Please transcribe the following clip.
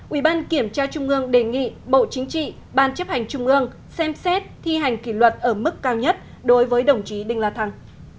ubktq đề nghị bộ chính trị ban chấp hành trung ương xem xét thi hành kỷ luật ở mức cao nhất đối với đồng chí đinh la thăng